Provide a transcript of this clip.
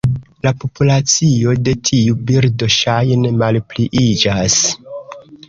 La populacio de tiu birdo ŝajne malpliiĝas.